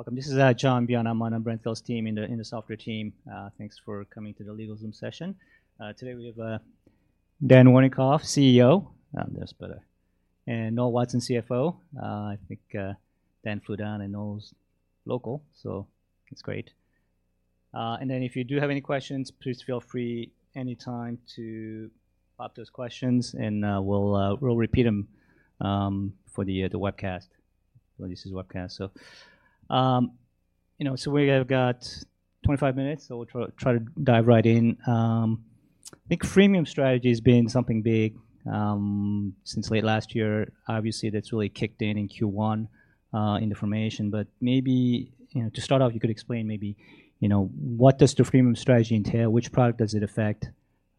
Welcome. This is John Byun. I'm on Brent Thill's team in the software team. Thanks for coming to the LegalZoom session. Today we have Dan Wernikoff, CEO. That's better. Noel Watson, CFO. I think Dan flew down, and Noel's local. It's great. If you do have any questions, please feel free anytime to pop those questions. We'll repeat them for the webcast. Well, this is a webcast. You know, we have got 25 minutes, we'll try to dive right in. I think Freemium strategy has been something big since late last year. Obviously, that's really kicked in in Q1 information. Maybe, you know, to start off, you could explain maybe, you know, what does the Freemium strategy entail? Which product does it affect?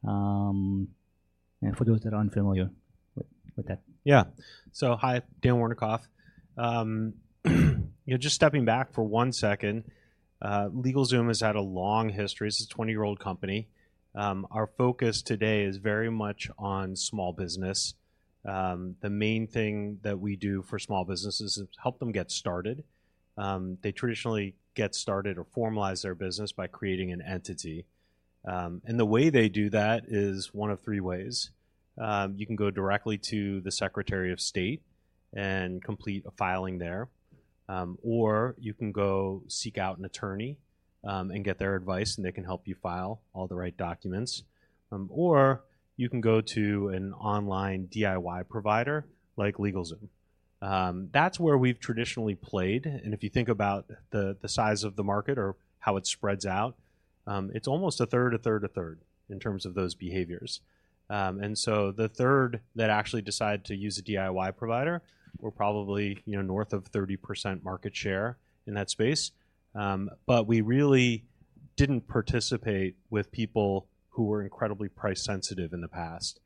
For those that are unfamiliar with that. Yeah. Hi, Dan Wernikoff. You know, just stepping back for one second, LegalZoom has had a long history. This is a 20-year-old company. Our focus today is very much on small business. The main thing that we do for small businesses is help them get started. They traditionally get started or formalize their business by creating an entity. The way they do that is 1 of 3 ways. You can go directly to the Secretary of State and complete a filing there, or you can go seek out an attorney, and get their advice, and they can help you file all the right documents, or you can go to an online DIY provider like LegalZoom. That's where we've traditionally played, and if you think about the size of the market or how it spreads out, it's almost a third, a third, a third in terms of those behaviors. The third that actually decide to use a DIY provider, we're probably, you know, north of 30% market share in that space. We really didn't participate with people who were incredibly price sensitive in the past.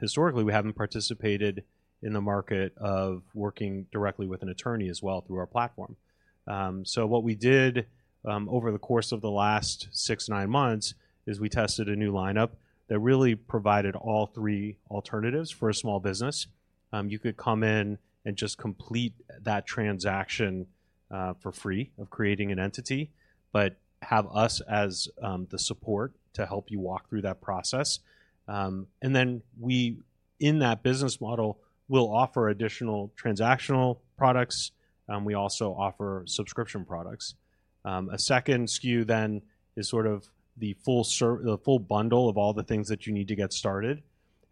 Historically, we haven't participated in the market of working directly with an attorney as well through our platform. What we did, over the course of the last six, nine months, is we tested a new lineup that really provided all three alternatives for a small business. You could come in and just complete that transaction for free of creating an entity, but have us as the support to help you walk through that process. We, in that business model, will offer additional transactional products. We also offer subscription products. A second SKU is sort of the full bundle of all the things that you need to get started.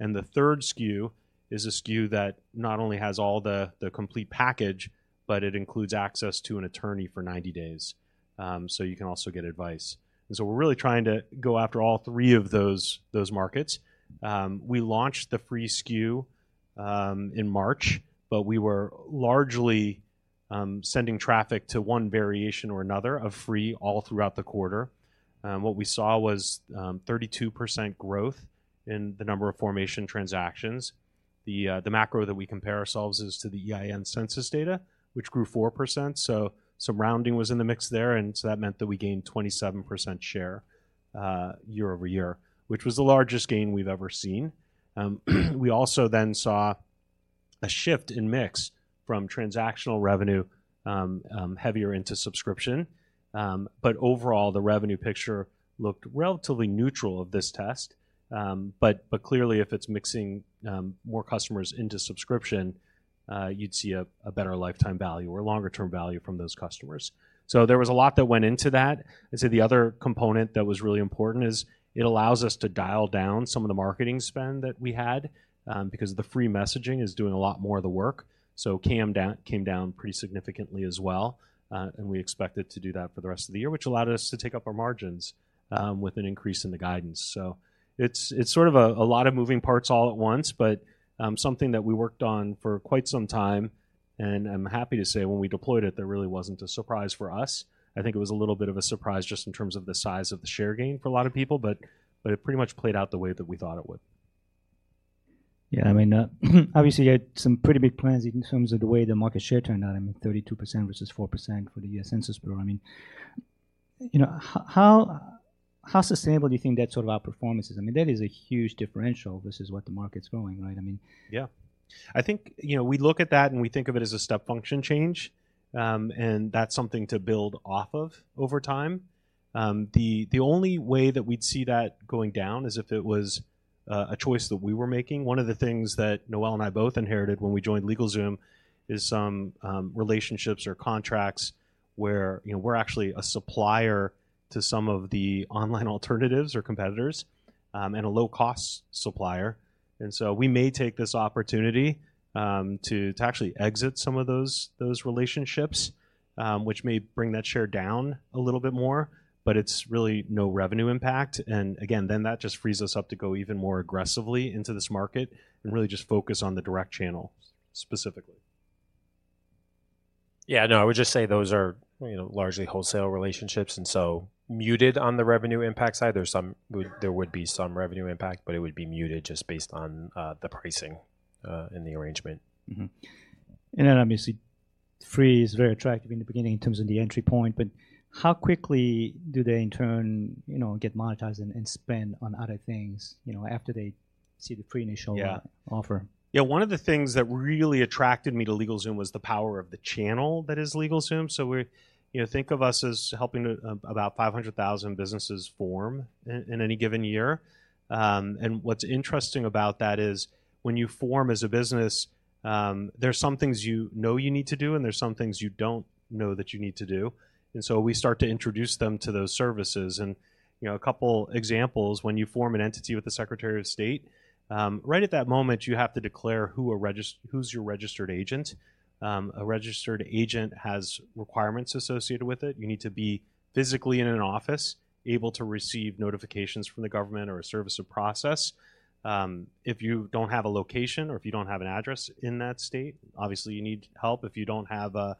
The third SKU is a SKU that not only has all the complete package, but it includes access to an attorney for 90 days, so you can also get advice. We're really trying to go after all three of those markets. We launched the free SKU in March, but we were largely sending traffic to one variation or another of free all throughout the quarter. What we saw was 32% growth in the number of formation transactions. The macro that we compare ourselves is to the EIN census data, which grew 4%, some rounding was in the mix there, that meant that we gained 27% share year-over-year, which was the largest gain we've ever seen. We also then saw a shift in mix from transactional revenue, heavier into subscription. Overall, the revenue picture looked relatively neutral of this test. Clearly, if it's mixing more customers into subscription, you'd see a better lifetime value or longer-term value from those customers. There was a lot that went into that. I'd say the other component that was really important is it allows us to dial down some of the marketing spend that we had, because the free messaging is doing a lot more of the work. Came down pretty significantly as well, and we expect it to do that for the rest of the year, which allowed us to take up our margins, with an increase in the guidance. It's sort of a lot of moving parts all at once, but something that we worked on for quite some time, and I'm happy to say, when we deployed it, there really wasn't a surprise for us. I think it was a little bit of a surprise just in terms of the size of the share gain for a lot of people, but it pretty much played out the way that we thought it would. Yeah, I mean, obviously, you had some pretty big plans in terms of the way the market share turned out. I mean, 32% versus 4% for the U.S. Census Bureau. I mean, you know, how sustainable do you think that sort of outperformance is? I mean, that is a huge differential. This is what the market's growing, right? I mean- Yeah. I think, you know, we look at that, and we think of it as a step function change, and that's something to build off of over time. The, the only way that we'd see that going down is if it was, a choice that we were making. One of the things that Noel and I both inherited when we joined LegalZoom is some, relationships or contracts where, you know, we're actually a supplier to some of the online alternatives or competitors, and a low-cost supplier. We may take this opportunity, to actually exit some of those relationships, which may bring that share down a little bit more, but it's really no revenue impact. That just frees us up to go even more aggressively into this market and really just focus on the direct channel, specifically. Yeah, no, I would just say those are, you know, largely wholesale relationships. Muted on the revenue impact side. There would be some revenue impact, but it would be muted just based on the pricing in the arrangement. Mm-hmm. Free is very attractive in the beginning in terms of the entry point, but how quickly do they, in turn, you know, get monetized and spend on other things, you know, after they see the free? Yeah Offer? Yeah, one of the things that really attracted me to LegalZoom was the power of the channel that is LegalZoom. We're you know, think of us as helping about 500,000 businesses form in any given year. What's interesting about that is, when you form as a business, there's some things you know you need to do, and there's some things you don't know that you need to do, and so we start to Uintroduce them to those services. You know, a couple examples, when you form an entity with the Secretary of State, right at that moment, you have to declare who's your registered agent. A registered agent has requirements associated with it. You need to be physically in an office, able to receive notifications from the government or a service of process. If you don't have a location or if you don't have an address in that state, obviously you need help. If you don't have a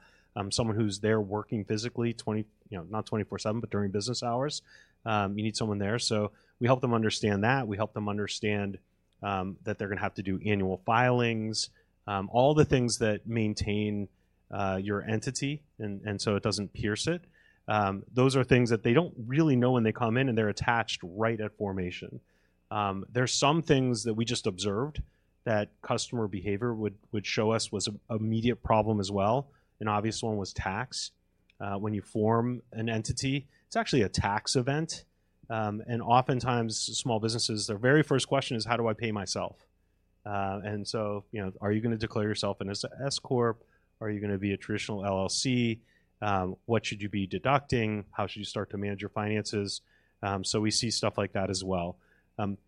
someone who's there working physically, 20, you know, not 24/7, but during business hours, you need someone there. We help them understand that. We help them understand that they're gonna have to do annual filings, all the things that maintain your entity and so it doesn't pierce it. Those are things that they don't really know when they come in, and they're attached right at formation. There are some things that we just observed that customer behavior would show us was an immediate problem as well. An obvious one was tax. When you form an entity, it's actually a tax event. Oftentimes, small businesses, their very first question is: "How do I pay myself?" Are you gonna declare yourself an S corp? Are you gonna be a traditional LLC? What should you be deducting? How should you start to manage your finances? We see stuff like that as well.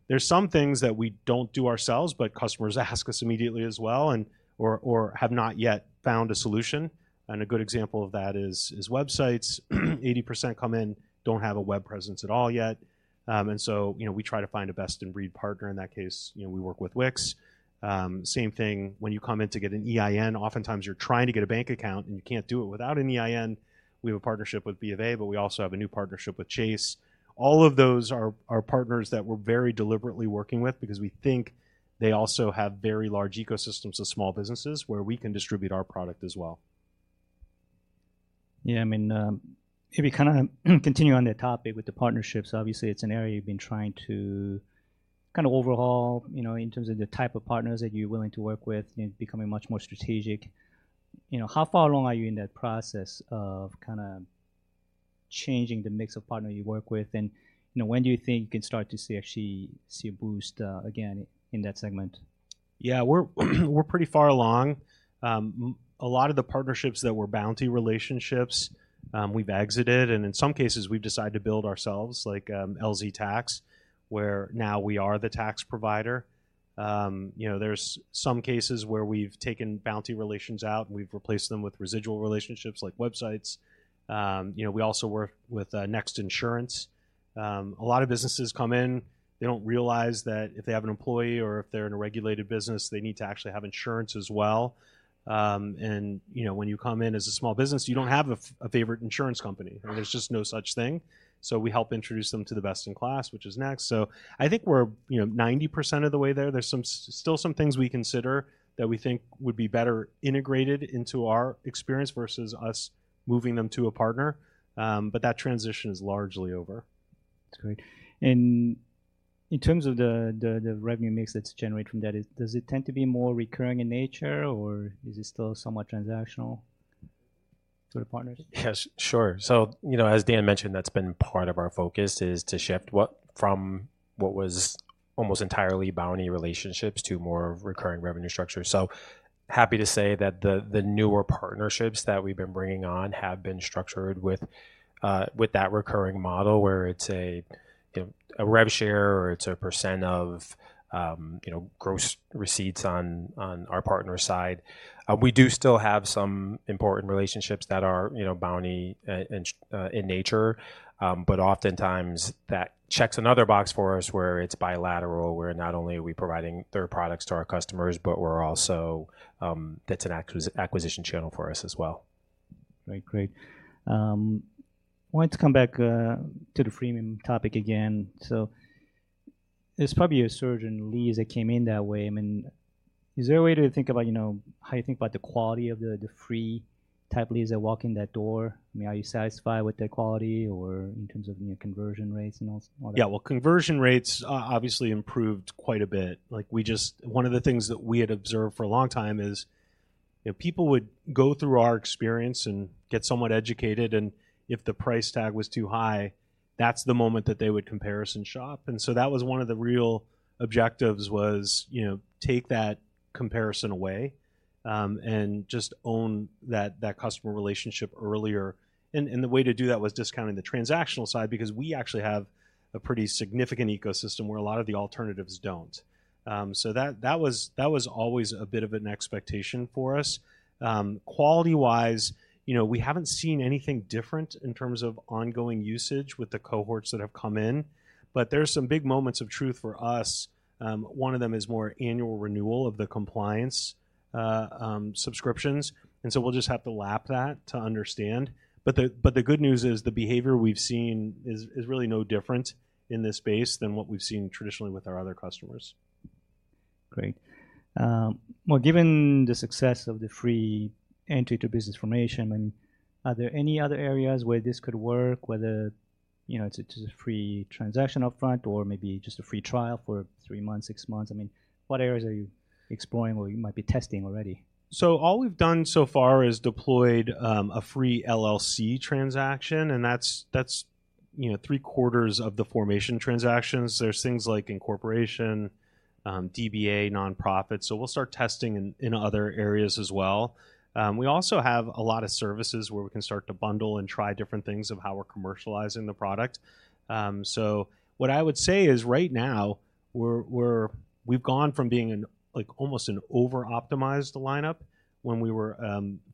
There's some things that we don't do ourselves, but customers ask us immediately as well, or have not yet found a solution, and a good example of that is websites. 80% come in, don't have a web presence at all yet. We try to find a best-in-breed partner. In that case, we work with Wix. Same thing, when you come in to get an EIN, oftentimes you're trying to get a bank account, and you can't do it without an EIN. We have a partnership with BofA, but we also have a new partnership with Chase. All of those are partners that we're very deliberately working with because we think they also have very large ecosystems of small businesses where we can distribute our product as well. Yeah, I mean, if we kind of continue on that topic with the partnerships, obviously, it's an area you've been trying to kind of overhaul, you know, in terms of the type of partners that you're willing to work with and becoming much more strategic. You know, how far along are you in that process of kind of changing the mix of partners you work with? You know, when do you think you can start to see, actually see a boost, again, in that segment? Yeah, we're pretty far along. A lot of the partnerships that were bounty relationships, we've exited, and in some cases, we've decided to build ourselves, like LZ Tax, where now we are the tax provider. You know, there's some cases where we've taken bounty relations out, and we've replaced them with residual relationships, like websites. You know, we also work with Next Insurance. A lot of businesses come in, they don't realize that if they have an employee or if they're in a regulated business, they need to actually have insurance as well. You know, when you come in as a small business, you don't have a favorite insurance company. There's just no such thing. We help introduce them to the best-in-class, which is Next. I think we're, you know, 90% of the way there. There's still some things we consider that we think would be better integrated into our experience versus us moving them to a partner, but that transition is largely over. That's great. In terms of the revenue mix that's generated from that, does it tend to be more recurring in nature, or is it still somewhat transactional to the partners? Yes, sure. You know, as Dan mentioned, that's been part of our focus is to shift from what was almost entirely bounty relationships to more recurring revenue structure. Happy to say that the newer partnerships that we've been bringing on have been structured with that recurring model, where it's a, you know, a rev share or it's a percent of, you know, gross receipts on our partner side. We do still have some important relationships that are, you know, bounty, in nature. Oftentimes, that checks another box for us where it's bilateral, where not only are we providing their products to our customers, but we're also, that's an acquisition channel for us as well. Right. Great. I want to come back to the freemium topic again. There's probably a surge in leads that came in that way. I mean, is there a way to think about, you know, how you think about the quality of the free type leads that walk in that door? I mean, are you satisfied with the quality or in terms of, you know, conversion rates and all that? Yeah, well, conversion rates obviously improved quite a bit. Like, one of the things that we had observed for a long time is, you know, people would go through our experience and get somewhat educated, and if the price tag was too high, that's the moment that they would comparison shop. So that was one of the real objectives was, you know, take that comparison away and just own that customer relationship earlier. The way to do that was discounting the transactional side because we actually have a pretty significant ecosystem where a lot of the alternatives don't. So that was always a bit of an expectation for us. Quality-wise, you know, we haven't seen anything different in terms of ongoing usage with the cohorts that have come in, but there's some big moments of truth for us. One of them is more annual renewal of the compliance subscriptions, and so we'll just have to lap that to understand. The good news is, the behavior we've seen is really no different in this space than what we've seen traditionally with our other customers. Great. Well, given the success of the free entry to business formation, I mean, are there any other areas where this could work, whether, you know, it's a, it's a free transaction upfront or maybe just a free trial for three months, six months? I mean, what areas are you exploring or you might be testing already? All we've done so far is deployed a free LLC transaction, and that's, you know, three-quarters of the formation transactions. There's things like incorporation, DBA, nonprofit, so we'll start testing in other areas as well. We also have a lot of services where we can start to bundle and try different things of how we're commercializing the product. What I would say is, right now, we're we've gone from being an, like, almost an over-optimized lineup when we were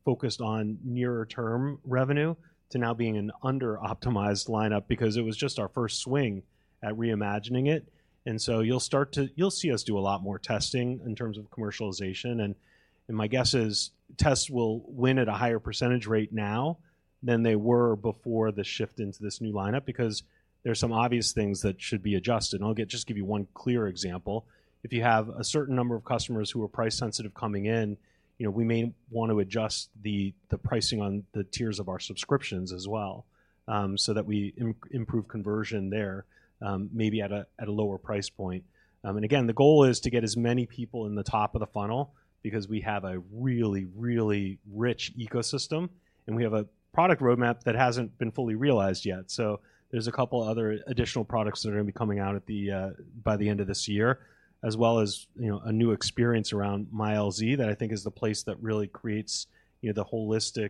focused on nearer-term revenue, to now being an under-optimized lineup because it was just our first swing at reimagining it. You'll start to – You'll see us do a lot more testing in terms of commercialization, and my guess is tests will win at a higher percentage rate now than they were before the shift into this new lineup, because there are some obvious things that should be adjusted. Just give you one clear example. If you have a certain number of customers who are price sensitive coming in, you know, we may want to adjust the pricing on the tiers of our subscriptions as well, so that we improve conversion there, maybe at a lower price point. Again, the goal is to get as many people in the top of the funnel because we have a really, really rich ecosystem, and we have a product roadmap that hasn't been fully realized yet. There's a couple other additional products that are going to be coming out at the by the end of this year, as well as, you know, a new experience around MyLZ that I think is the place that really creates, you know, the holistic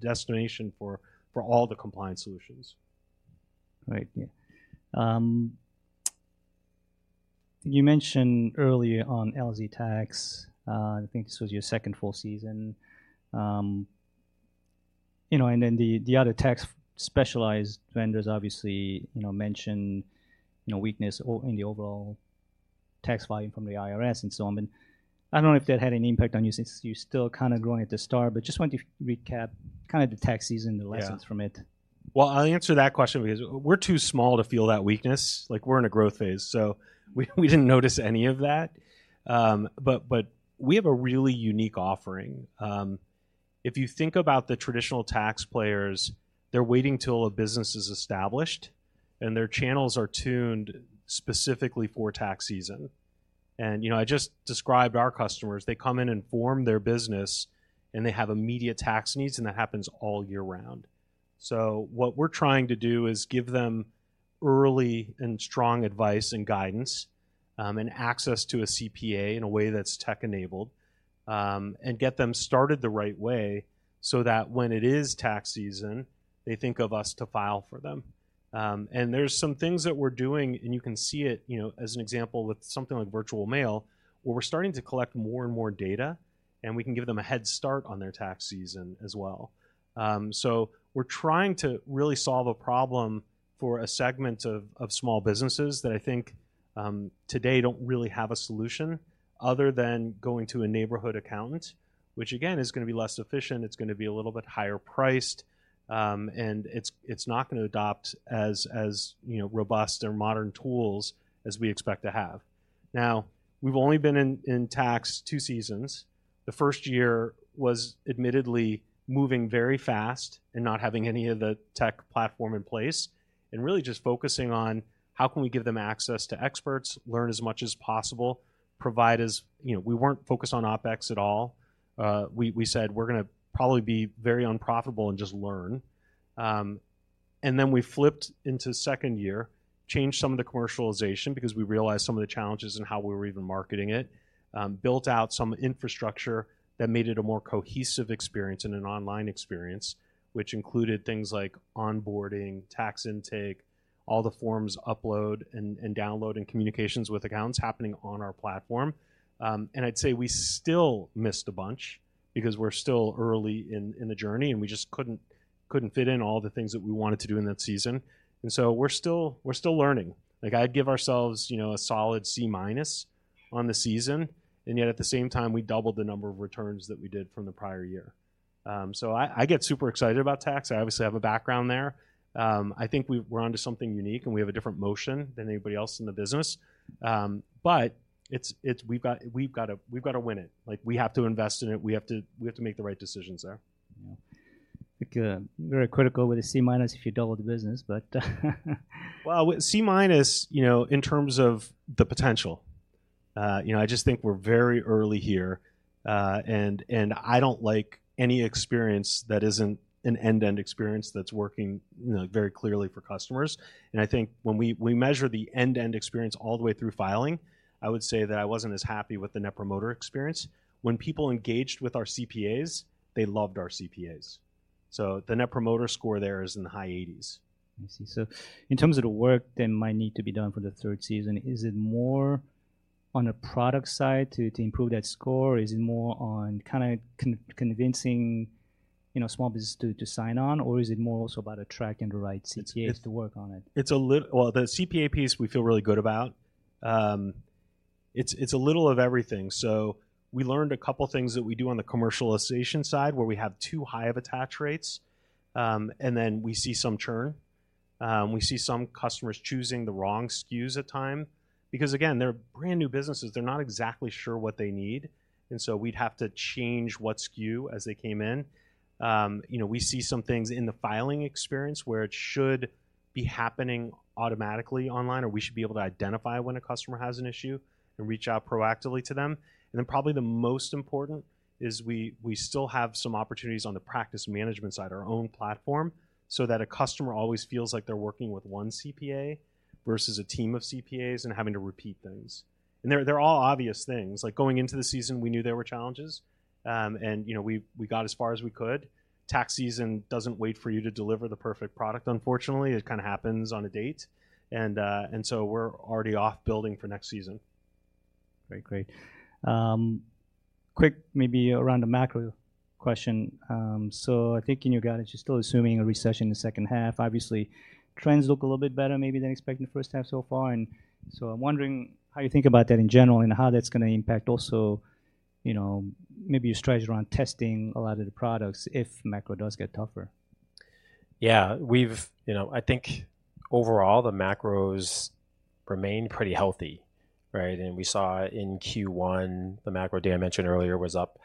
destination for all the compliance solutions. Right. Yeah. You mentioned earlier on LZ Tax, I think this was your second full season. You know, and then the other tax specialized vendors obviously, you know, mentioned, you know, weakness in the overall tax volume from the IRS and so on. I don't know if that had any impact on you, since you're still kind of growing at the start, but just want to recap kind of the tax season. Yeah The lessons from it. Well, I'll answer that question because we're too small to feel that weakness. Like, we're in a growth phase, so we didn't notice any of that. But we have a really unique offering. If you think about the traditional tax players, they're waiting till a business is established, and their channels are tuned specifically for tax season. You know, I just described our customers. They come in and form their business, and they have immediate tax needs, and that happens all year round. What we're trying to do is give them early and strong advice and guidance, and access to a CPA in a way that's tech-enabled, and get them started the right way, so that when it is tax season, they think of us to file for them. There's some things that we're doing, and you can see it, you know, as an example with something like Virtual Mail, where we're starting to collect more and more data, and we can give them a head start on their tax season as well. We're trying to really solve a problem for a segment of small businesses that I think, today don't really have a solution other than going to a neighborhood accountant, which, again, is going to be less efficient, it's going to be a little bit higher priced, and it's not going to adopt as, you know, robust or modern tools as we expect to have. We've only been in tax two seasons. The first year was admittedly moving very fast and not having any of the tech platform in place, and really just focusing on: How can we give them access to experts, learn as much as possible. You know, we weren't focused on OpEx at all. We said: We're going to probably be very unprofitable and just learn. We flipped into second year, changed some of the commercialization because we realized some of the challenges in how we were even marketing it. Built out some infrastructure that made it a more cohesive experience and an online experience, which included things like onboarding, tax intake, all the forms, upload and download, and communications with accountants happening on our platform. I'd say we still missed a bunch because we're still early in the journey, and we just couldn't fit in all the things that we wanted to do in that season. We're still learning. Like, I'd give ourselves, you know, a solid C- on the season, and yet at the same time, we doubled the number of returns that we did from the prior year. I get super excited about tax. I obviously have a background there. I think we're onto something unique, and we have a different motion than anybody else in the business. We've got to win it. Like, we have to invest in it. We have to make the right decisions there. Yeah. I think, very critical with a C- if you double the business, but,... C-, you know, in terms of the potential. you know, I just think we're very early here, and I don't like any experience that isn't an end-to-end experience that's working, you know, very clearly for customers. I think when we measure the end-to-end experience all the way through filing, I would say that I wasn't as happy with the Net Promoter experience. When people engaged with our CPAs, they loved our CPAs. The Net Promoter Score there is in the high 80s. I see. In terms of the work that might need to be done for the third season, is it more on the product side to improve that score, or is it more on kind of convincing, you know, small business to sign on, or is it more also about attracting the right CPAs to work on it? Well, the CPA piece we feel really good about. it's a little of everything. We learned a couple of things that we do on the commercialization side, where we have too high of attach rates. We see some churn. We see some customers choosing the wrong SKUs at time, because, again, they're brand-new businesses. They're not exactly sure what they need, we'd have to change what SKU as they came in. You know, we see some things in the filing experience where it should be happening automatically online, or we should be able to identify when a customer has an issue and reach out proactively to them. Probably the most important is we still have some opportunities on the practice management side, our own platform, so that a customer always feels like they're working with one CPA versus a team of CPAs and having to repeat things. They're all obvious things. Like, going into the season, we knew there were challenges. You know, we got as far as we could. Tax season doesn't wait for you to deliver the perfect product, unfortunately. It kinda happens on a date. We're already off building for next season. Great. Great. quick, maybe around a macro question? I think in your guidance, you're still assuming a recession in the second half. Obviously, trends look a little bit better maybe than expected in the first half so far, I'm wondering how you think about that in general, how that's gonna impact also, you know, maybe your strategy around testing a lot of the products if macro does get tougher? Yeah, we've you know, I think overall, the macros remain pretty healthy, right? We saw in Q1, the macro data I mentioned earlier was up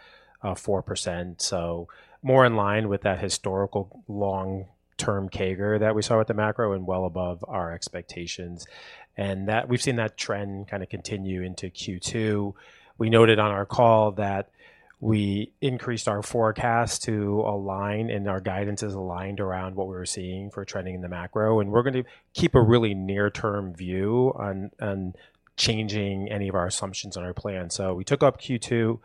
4%, so more in line with that historical long-term CAGR that we saw with the macro and well above our expectations. That we've seen that trend kinda continue into Q2. We noted on our call that we increased our forecast to align, and our guidance is aligned around what we're seeing for trending in the macro, and we're gonna keep a really near-term view on changing any of our assumptions on our plan. We took up Q2,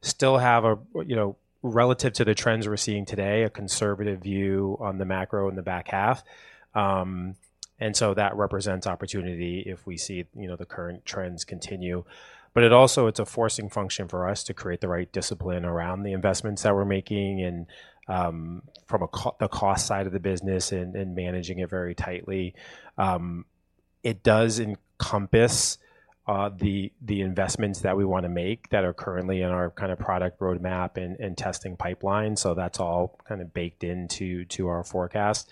still have a, you know, relative to the trends we're seeing today, a conservative view on the macro in the back half. That represents opportunity if we see, you know, the current trends continue. It also, it's a forcing function for us to create the right discipline around the investments that we're making, and from the cost side of the business and managing it very tightly. It does encompass the investments that we wanna make that are currently in our kinda product roadmap and testing pipeline, so that's all kinda baked into our forecast.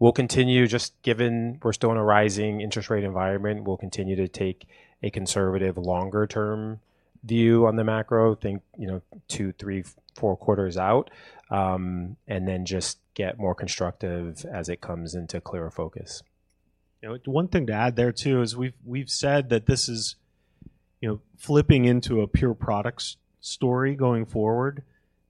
We'll continue. Just given we're still in a rising interest rate environment, we'll continue to take a conservative, longer-term view on the macro. Think, you know, two, three, four quarters out, and then just get more constructive as it comes into clearer focus. You know, one thing to add there, too, is we've said that this is, you know, flipping into a pure products story going forward.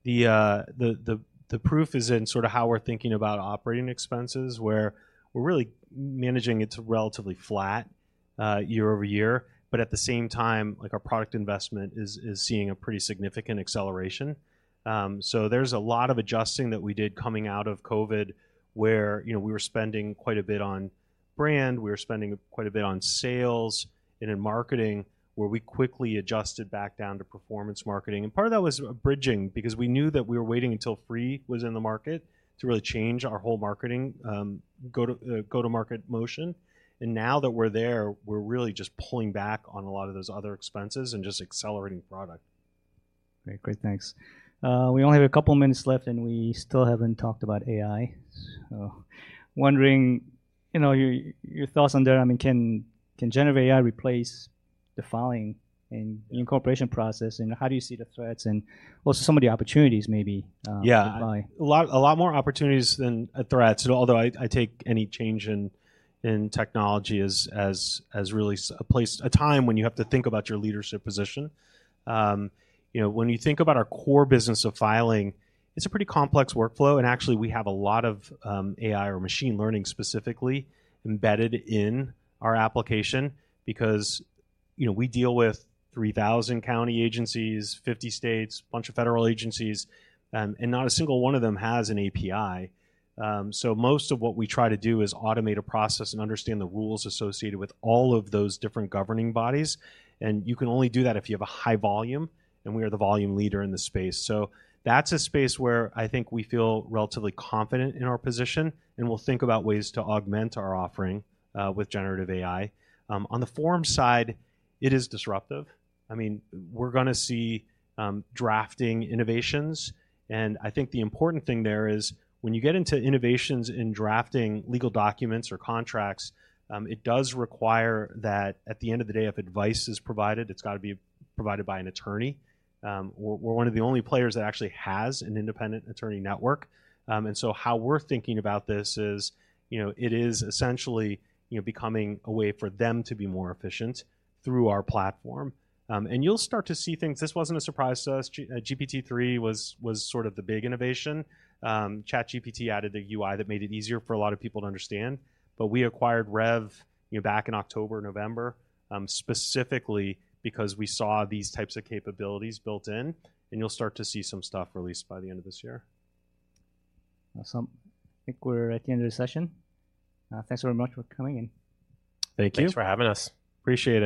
The proof is in sort of how we're thinking about operating expenses, where we're really managing it to relatively flat year-over-year. At the same time, like, our product investment is seeing a pretty significant acceleration. There's a lot of adjusting that we did coming out of COVID, where, you know, we were spending quite a bit on brand, we were spending quite a bit on sales and in marketing, where we quickly adjusted back down to performance marketing. Part of that was abridging, because we knew that we were waiting until Free was in the market to really change our whole marketing go-to-market motion. Now that we're there, we're really just pulling back on a lot of those other expenses and just accelerating product. Great. Great. Thanks. We only have a couple minutes left, and we still haven't talked about AI. Wondering, you know, your thoughts on that. I mean, can generative AI replace the filing and the incorporation process, and how do you see the threats and also some of the opportunities, maybe, provided? Yeah. A lot more opportunities than threats, although I take any change in technology as really a time when you have to think about your leadership position. You know, when you think about our core business of filing, it's a pretty complex workflow, and actually, we have a lot of AI or machine learning specifically embedded in our application because, you know, we deal with 3,000 county agencies, 50 states, bunch of federal agencies, and not a single one of them has an API. Most of what we try to do is automate a process and understand the rules associated with all of those different governing bodies, and you can only do that if you have a high volume, and we are the volume leader in the space. That's a space where I think we feel relatively confident in our position, and we'll think about ways to augment our offering with generative AI. On the form side, it is disruptive. I mean, we're gonna see drafting innovations, and I think the important thing there is, when you get into innovations in drafting legal documents or contracts, it does require that at the end of the day, if advice is provided, it's got to be provided by an attorney. We're one of the only players that actually has an independent attorney network. How we're thinking about this is, you know, it is essentially, you know, becoming a way for them to be more efficient through our platform. And you'll start to see things. This wasn't a surprise to us. GPT-3 was sort of the big innovation. ChatGPT added a UI that made it easier for a lot of people to understand. We acquired Revv, you know, back in October, November, specifically because we saw these types of capabilities built in, and you'll start to see some stuff released by the end of this year. Awesome. I think we're at the end of the session. Thanks very much for coming in. Thank you. Thanks for having us. Appreciate it.